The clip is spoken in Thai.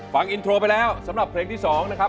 ฟังอินโทรไปแล้วสำหรับเพลงที่๒นะครับ